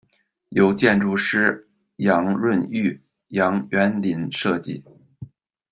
由建筑师杨润玉、杨元麟设计。